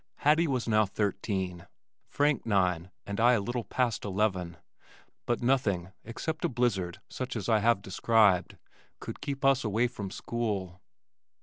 Hattie was now thirteen, Frank nine and I a little past eleven but nothing, except a blizzard such as I have described, could keep us away from school.